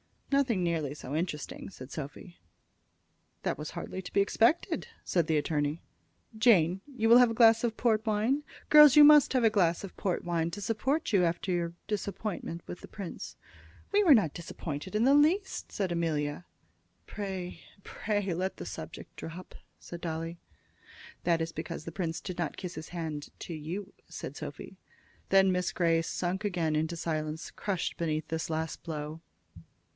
"Nothing nearly so interesting," said Sophy. "That was hardly to be expected," said the attorney. "Jane, you will have a glass of port wine? Girls, you must have a glass of port wine to support you after your disappointment with the prince." "We were not disappointed in the least," said Amelia. "Pray, pray, let the subject drop," said Dolly. "That is because the prince did not kiss his hand to you," said Sophy. Then Miss Grey sunk again into silence, crushed beneath this last blow.